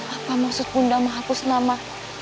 apa maksud bunda menghapus nama